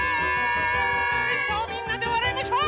さあみんなでわらいましょう！